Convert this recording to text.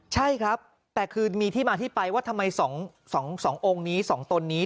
ใช่ครับแต่คือมีที่มาที่ไปว่าทำไม๒องค์นี้๒ตนนี้